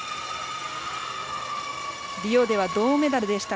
リオでは銅メダルでした。